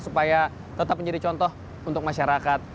supaya tetap menjadi contoh untuk masyarakat